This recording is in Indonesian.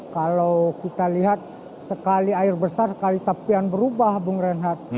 kalau kita lihat sekali air besar sekali tapian berubah bung reinhardt